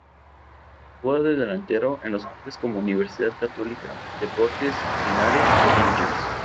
Jugó de delantero en clubes como Universidad Católica, Deportes Linares y Rangers.